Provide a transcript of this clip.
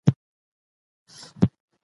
یو نیم غزل به دي مطرب ته بهانه پاته سي